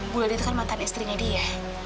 buah dia itu kan mantan istrinya dia